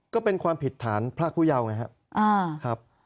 ก็เป็นความผิดฐานพรากผู้เยาว์ไงครับ